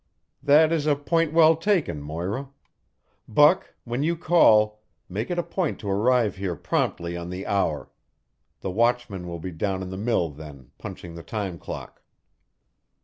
"That is a point well taken, Moira. Buck, when you call, make it a point to arrive here promptly on the hour. The watchman will be down in the mill then, punching the time clock."